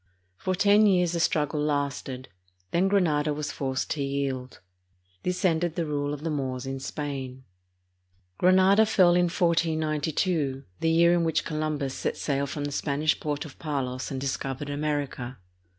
For ten years the struggle lasted; then Granada was forced to yield. This ended the rule of the Moors in Spain. Granada fell in 1492, the year in which Columbus set sail from the Spanish port of Palos and discovered America.